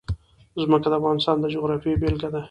ځمکه د افغانستان د جغرافیې بېلګه ده.